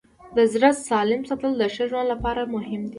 د زړه سالم ساتل د ښه ژوند لپاره مهم دي.